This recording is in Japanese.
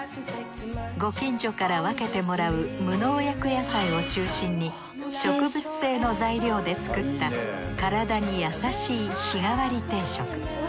ご近所から分けてもらう無農薬野菜を中心に植物性の材料で作った体に優しい日替わり定食。